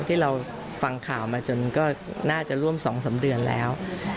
ที่เราฟังข่าวมาจนก็น่าจะร่วม๒๓เดือนแล้ว